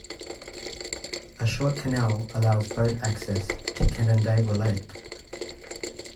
A short canal allows boat access to Canandaigua Lake.